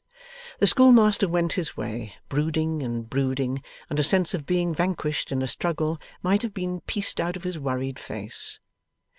The schoolmaster went his way, brooding and brooding, and a sense of being vanquished in a struggle might have been pieced out of his worried face.